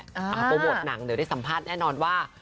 โปรโมทหนังเดี๋ยวได้สัมภาษณ์แน่นอนว่า